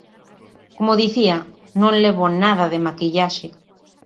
Como dicía, non levo nada de maquillaxe.